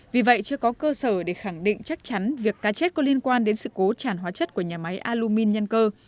vì vậy chưa có cơ sở để khẳng định chắc chắn việc cá chết có liên quan đến sự cố tràn hóa chất của nhà máy alumin nhân cơ